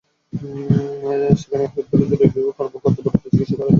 সেখানে হাসপাতালের জরুরি বিভাগের কর্তব্যরত চিকিৎসক আরও তিনজনকে মৃত ঘোষণা করেন।